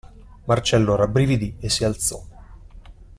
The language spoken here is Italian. Marcello rabbrividì e si alzò.